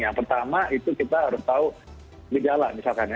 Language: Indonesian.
yang pertama itu kita harus tahu gejala misalkan ya